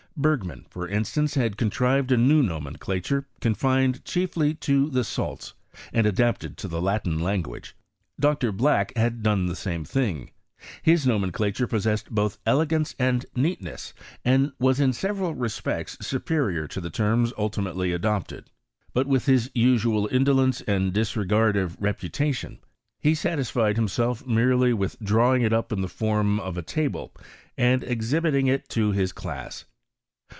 Bergman, for instance, had con trived a new nomenclature, confined chiefly to the .salts and adapted to the Latin language. Dr. Black had done the same thing : his nomenclature pos sessed both elegance and neatness, and was, in several respects, superior to the terms ultimately k2 I I I adopted; but with his usual indolence and disregard of reputation, be satisfied himself merely with drawing it up in the form of a table and exhibiting it to his class.